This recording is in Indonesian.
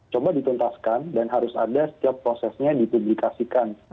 coba dituntaskan dan harus ada setiap prosesnya dipublikasikan